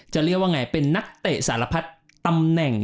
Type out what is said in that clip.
จะเรียกว่าไงเป็นนักเตะสารพัดตำแหน่ง